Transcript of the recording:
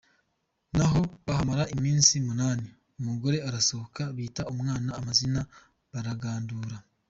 Naho bahamara iminsi munani; umugore arasohoka bita umwana amazina, baragandura.